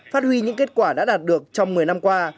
phát huy những kết quả đã đạt được trong một mươi năm qua